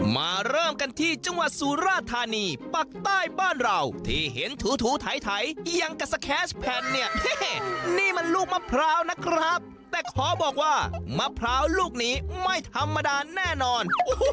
มาเริ่มกันที่จังหวัดสุราธานีปักใต้บ้านเราที่เห็นถูไถอย่างกับสแคชแผ่นเนี่ยนี่มันลูกมะพร้าวนะครับแต่ขอบอกว่ามะพร้าวลูกนี้ไม่ธรรมดาแน่นอน